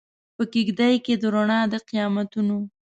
په کیږدۍ کې د روڼا د قیامتونو